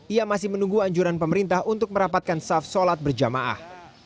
ia masih menunggu anjuran pemerintah untuk merapatkan saf sholat berjamaah